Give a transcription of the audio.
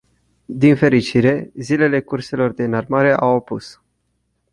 Din fericire, zilele curselor de înarmare au apus.